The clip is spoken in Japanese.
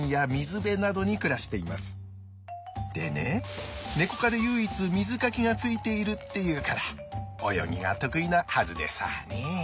でねネコ科で唯一水かきがついているっていうから泳ぎが得意なはずでさね。